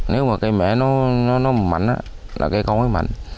nếu mà cây mẹ nó mảnh là cây con mới mảnh